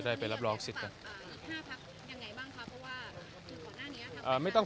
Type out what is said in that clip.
ได้ไปรับรองสิทธิ์กันอีกห้าพักยังไงบ้างคะเพราะว่าอ่าไม่ต้อง